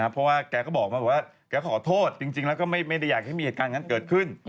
เพราะว่าแกก็บอกมาว่าแกขอโทษจริงแล้วก็ไม่ได้อยากให้มีเหตุการณ์อย่างนั้นเกิดขึ้น